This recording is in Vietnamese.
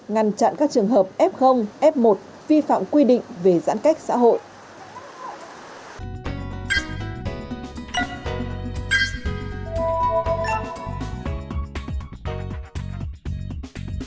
ngăn chặn các trường hợp f f một vi phạm quy định về giãn cách xã hội